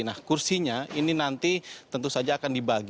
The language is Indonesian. nah kursinya ini nanti tentu saja akan dibagi